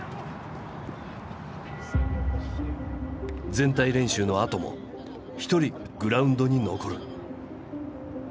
全体練習のあとも一人グラウンドに残る。